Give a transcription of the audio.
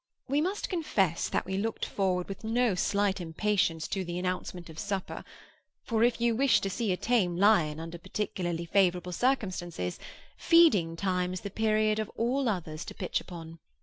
We must confess that we looked forward with no slight impatience to the announcement of supper; for if you wish to see a tame lion under particularly favourable circumstances, feeding time is the period of all others to pitch upon.